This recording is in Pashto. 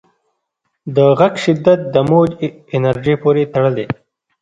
د غږ شدت د موج انرژۍ پورې تړلی.